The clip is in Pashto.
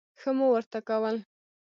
ښه مو ورته کول.